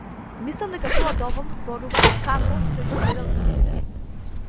Мислам дека тоа доволно зборува како тој ги гледал глумците.